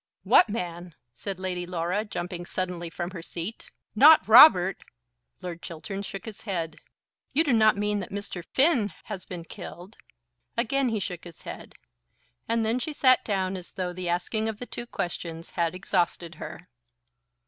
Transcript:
"What man?" said Lady Laura, jumping suddenly from her seat. "Not Robert!" Lord Chiltern shook his head. "You do not mean that Mr. Finn has been killed!" Again he shook his head; and then she sat down as though the asking of the two questions had exhausted her.